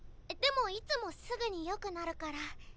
でもいつもすぐによくなるから。